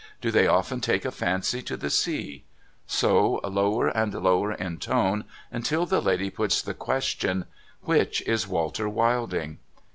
Do they often take a fancy to the sea? So, lower and lower in tone until the lady puts the question :' Which is Walter Wilding